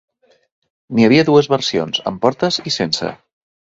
N'hi havia dues versions, amb portes i sense.